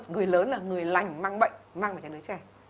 người lớn là người lành mang bệnh mang vào cho đứa trẻ